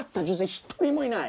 一人もいない」